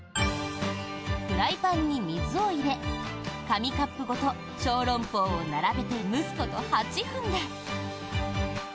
フライパンに水を入れ紙カップごと小籠包を並べて蒸すこと８分で。